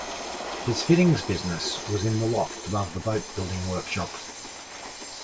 His fittings business was in the loft above the boatbuilding workshop.